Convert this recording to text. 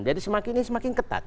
jadi semakin ini semakin ketat